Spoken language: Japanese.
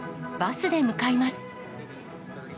バスで向かいます。